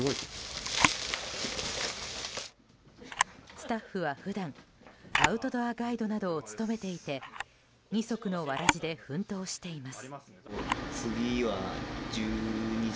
スタッフは普段アウトドアガイドなどを務めていて二足のわらじで奮闘しています。